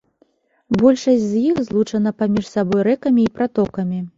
Большасць з іх злучана паміж сабой рэкамі і пратокамі.